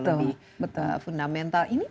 lebih fundamental ini